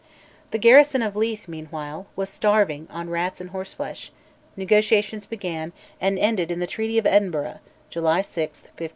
The garrison of Leith, meanwhile, was starving on rats and horseflesh: negotiations began, and ended in the Treaty of Edinburgh (July 6, 1560).